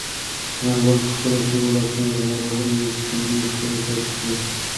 ثمر ګل په خپلو تورو لاسونو د لمر وهلي تندي خولې پاکې کړې.